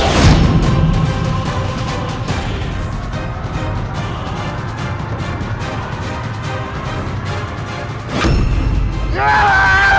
tidak mungkin nyairoh